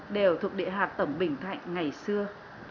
đều thuộc địa hạt tổng bình thạnh ngày xưa